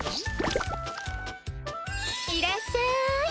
いらっしゃい！